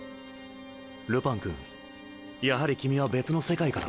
ルパン君やはり君は別の世界から。